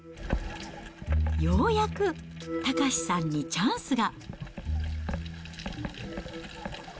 ようやく岳さんにチャンスが。